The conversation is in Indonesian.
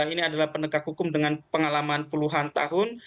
ini adalah penegak hukum dengan pengalaman puluhan tahun